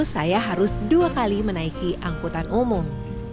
saya harus dua kali menaiki angkutan umum